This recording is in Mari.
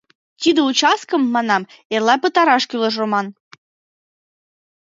— Тиде участкым, — манам, — эрла пытараш кӱлеш, Роман.